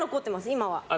今は。